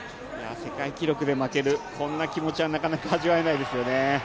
世界記録で負けるこんな気持ちはなかなか味わえないですよね。